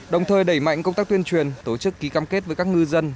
đồng thời đẩy mạnh công tác tuyên truyền tổ chức ký cam kết với các ngư dân